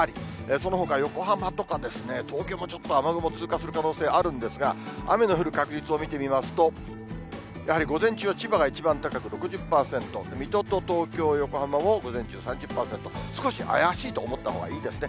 そのほか横浜とか、東京もちょっと雨雲、通過する可能性あるんですが、雨の降る確率を見てみますと、やはり午前中は千葉が一番高く６０％、水戸と東京、横浜も午前中、３０％と、少し怪しいと思った方がいいですね。